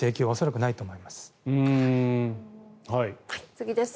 次です。